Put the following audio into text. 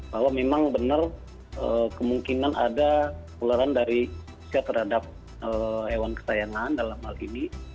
bahwa memang benar kemungkinan ada ularan dari usia terhadap hewan kesayangan dalam hal ini